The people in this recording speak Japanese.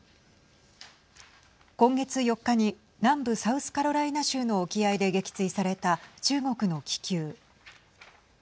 今月４日に南部サウスカロライナ州の沖合で撃墜された中国の気球。